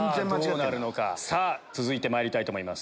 続いてまいりたいと思います